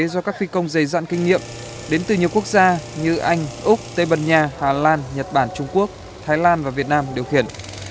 do các phi công dày dạn kinh nghiệm đến từ nhiều quốc gia như anh úc tây bần nha hà lan nhật bản trung quốc thái lan và việt nam điều khiển